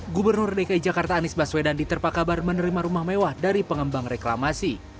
gubernur dki jakarta anies baswedan diterpakabar menerima rumah mewah dari pengembang reklamasi